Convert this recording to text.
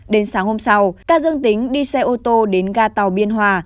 đến sáng hôm sau ca dương tính đi xe ô tô đến ga tàu biên hòa